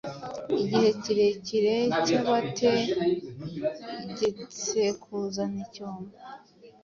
Igihe kirekire cyabategetsekuzana icyombo